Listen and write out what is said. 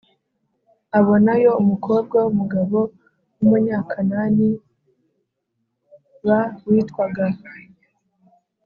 abonayo umukobwa w umugabo w Umunyakananib witwaga